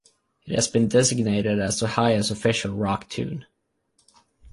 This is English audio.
It has been designated as Ohio's official rock tune.